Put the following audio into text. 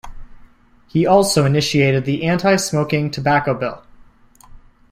He also initiated the Anti-Smoking Tobacco Bill.